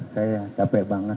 saya capek banget